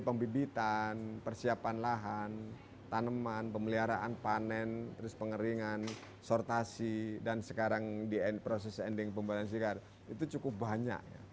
pembibitan persiapan lahan tanaman pemeliharaan panen pengeringan sortasi dan sekarang proses ending pembalan sikar itu cukup banyak